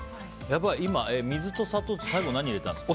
今、水と砂糖と最後、何入れたんですか？